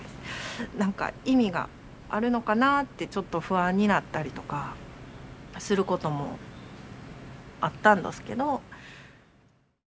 なんか意味があるのかなってちょっと不安になったりとかすることもあったんどすけど。